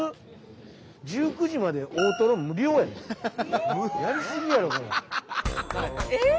１９時まで大トロ無料やで。